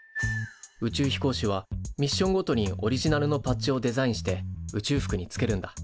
宇宙飛行士はミッションごとにオリジナルのパッチをデザインして宇宙服につけるんだ。